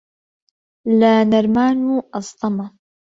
لە نەرمان و ئەستەما